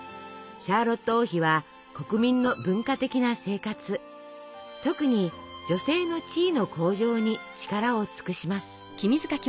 シャーロット王妃は国民の文化的な生活特に女性の地位の向上に力を尽くします。